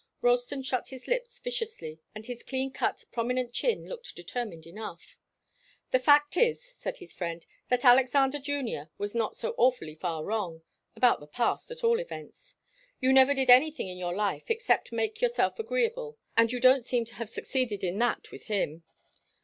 Ralston shut his lips viciously and his clean cut, prominent chin looked determined enough. "The fact is," said his friend, "that Alexander Junior was not so awfully far wrong about the past, at all events. You never did anything in your life except make yourself agreeable. And you don't seem to have succeeded in that with him."